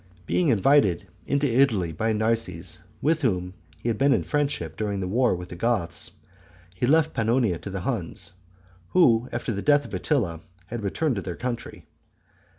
Being invited into Italy by Narses, with whom he had been in friendship during the war with the Goths, he left Pannonia to the Huns, who after the death of Attila had returned to their country.